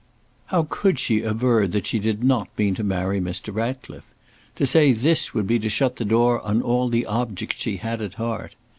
How could she aver that she did not mean to marry Mr. Ratcliffe? to say this would be to shut the door on all the objects she had at heart.